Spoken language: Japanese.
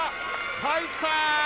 入った！